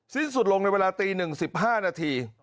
สิ้นสุดลงในเวลาตี๑๕นาที